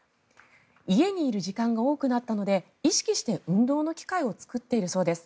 家にいる時間が多くなったので意識して運動の機会を作っているそうです。